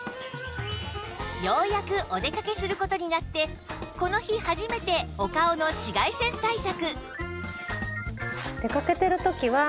ようやくお出かけする事になってこの日初めてお顔の紫外線対策